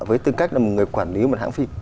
với tư cách là một người quản lý một hãng phim